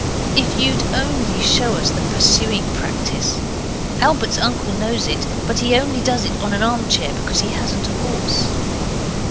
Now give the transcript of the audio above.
If you'd only show us the pursuing practice! Albert's uncle knows it; but he only does it on an armchair, because he hasn't a horse.